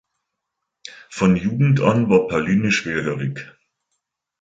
Von Jugend an war Pauline schwerhörig.